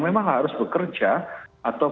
memang harus bekerja atau